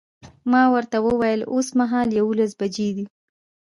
ما ورته وویل اوسمهال یوولس بجې دي.